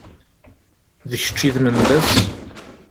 D kečč i d Mendas?